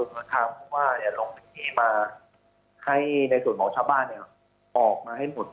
เพราะว่าลงพื้นที่มาให้ในส่วนของชาวบ้านออกมาให้หมด